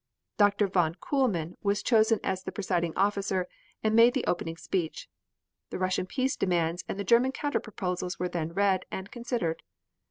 Dr. von Kuhlmann was chosen as the presiding officer and made the opening speech. The Russian peace demands and the German counter proposals were then read, and considered.